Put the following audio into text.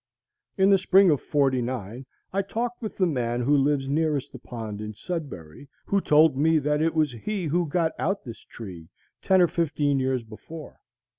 In the spring of '49 I talked with the man who lives nearest the pond in Sudbury, who told me that it was he who got out this tree ten or fifteen years before.